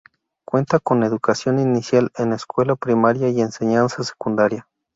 Cuenta con educación inicial, escuela primaria y enseñanza secundaria.